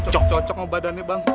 cok cok mau badannya bang